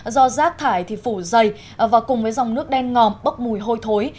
do rác thải thì phủ dày và cùng với dòng nước đen ngòm bốc mùi hôi thối